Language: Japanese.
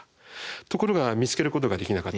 ところが見つけることができなかった。